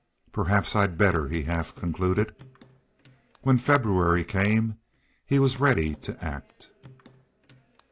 "Perhaps I'd better," he half concluded. When February came he was ready to act.